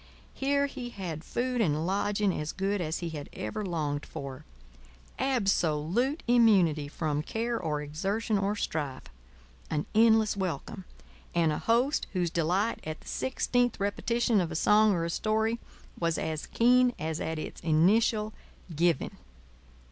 Here he had food and lodging as good as he had ever longed for; absolute immunity from care or exertion or strife; an endless welcome, and a host whose delight at the sixteenth repetition of a song or a story was as keen as at its initial giving.